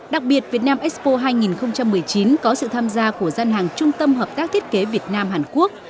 đặc biệt việt nam expo hai nghìn một mươi chín có sự tham gia của gian hàng trung tâm hợp tác thiết kế việt nam hàn quốc